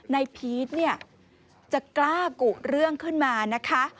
พีชเนี่ยจะกล้ากุเรื่องขึ้นมานะคะ